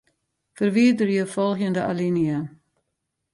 Ferwiderje folgjende alinea.